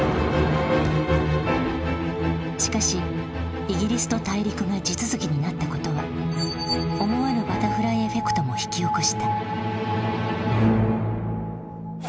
しかしイギリスと大陸が地続きになったことは思わぬ「バタフライエフェクト」も引き起こした。